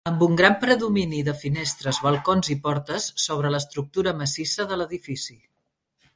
Amb un gran predomini de finestres, balcons i portes sobre l'estructura massissa, de l'edifici.